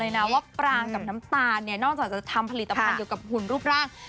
นะว่าปรางกับน้ำตาลเนี่ยนอกจากจะทำผลิตภัณฑ์เกี่ยวกับหุ่นรูปร่าง